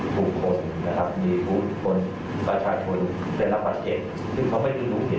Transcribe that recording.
เพราะฉะนั้นนี้เขาก็จะจังพบกับจุดจบในลักษณะนี้